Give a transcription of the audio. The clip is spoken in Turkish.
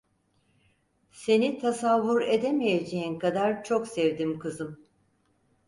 Seni tasavvur edemeyeceğin kadar çok sevdim kızım…